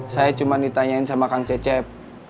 saya cuma ditanyain sama kang cecep